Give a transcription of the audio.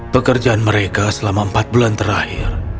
pekerjaan mereka selama empat bulan terakhir